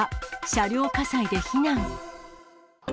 車両火災で避難。